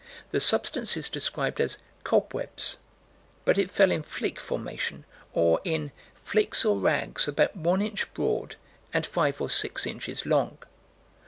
The substance is described as "cobwebs" but it fell in flake formation, or in "flakes or rags about one inch broad and five or six inches long."